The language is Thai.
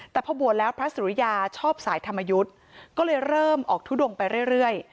แต่พอบวชแล้วพระสุริยาชอบสายธรรมยุทธ์ก็เลยเริ่มออกทุดงไปเรื่อย